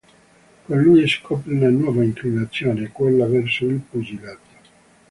Con lui scopre una nuova inclinazione, quella verso il pugilato.